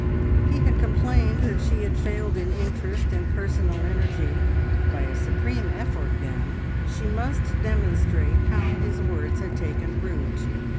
He had complained that she had failed in interest and personal energy: by a supreme effort, then, she must demonstrate how his words had taken root.